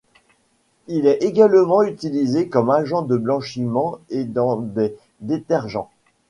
Il est également utilisé comme agent de blanchiment et dans des détergents.